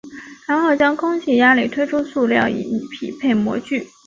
然后将空气压力推出塑料以匹配模具。